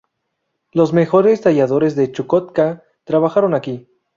Los mejores talladores de Chukotka trabajaron aquí.